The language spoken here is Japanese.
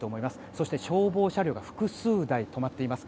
そして消防車両が複数台止まっています。